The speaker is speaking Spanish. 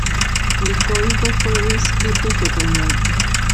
El código fue reescrito totalmente.